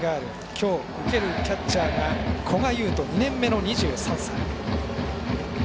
今日、受けるキャッチャーが古賀悠斗、２年目。